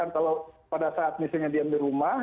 kalau pada saat misalnya diam di rumah